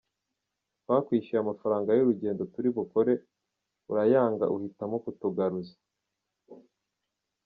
Twakwishyuye amafaranga y’urugendo turi bukore, urayanga uhitamo kutugaruza.